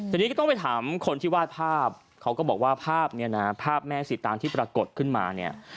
ทีนี้ก็ต้องไปถามคนที่วาดภาพเขาก็บอกว่าภาพเนี่ยนะภาพแม่สีตางที่ปรากฏขึ้นมาเนี่ย